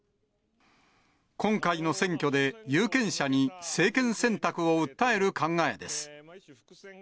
今回の選挙で有権者に政権選択を訴える考えです。